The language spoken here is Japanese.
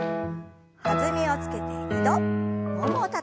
弾みをつけて２度ももをたたいて。